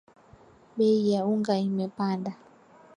Bei ya unga imepanda